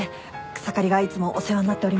草刈がいつもお世話になっております。